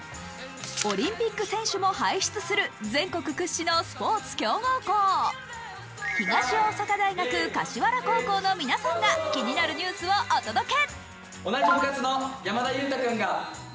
オリンピック選手も輩出する全国屈指のスポーツ強豪校、東大阪大学柏原高校の皆さんが気になるニュースをお届け！